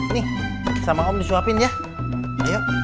nih sama om nyuapin ya